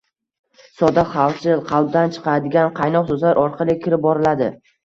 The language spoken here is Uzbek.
sodda, xalqchil, qalbdan chiqadigan qaynoq so‘zlar orqali kirib boriladi.